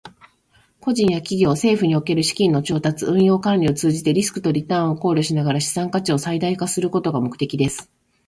個人や企業、政府における資金の調達、運用、管理を通じて、リスクとリターンを考慮しながら資産価値を最大化することが目的です。